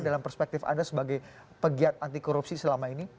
dalam perspektif anda sebagai pegiat anti korupsi selama ini